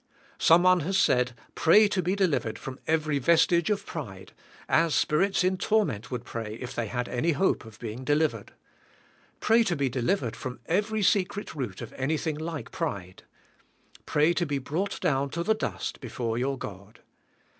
Some one has said, pray to be delivered from every vestige of pride, as spirits in torment would pray if they had any hope of being delivered. Pray to be delivered from every secret root of anything like pride. Pray to be brought down to the dust before your God.